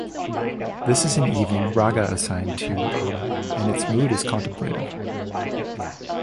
This is an evening raga assigned to autumn and its mood is contemplative.